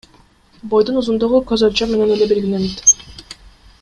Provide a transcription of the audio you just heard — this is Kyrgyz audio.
Бойдун узундугу көз өлчөм менен эле белгиленет.